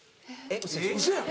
ウソやん。